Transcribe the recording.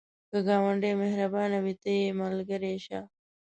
که ګاونډی مهربانه وي، ته یې ملګری شه